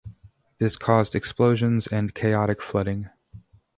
This caused explosions and chaotic flooding.